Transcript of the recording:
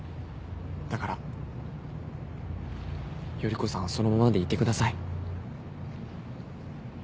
だから依子さんはそのままでいてください。